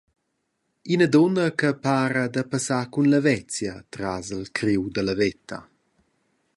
Ina dunna che pareva da passar cun levezia tras il criu dalla veta.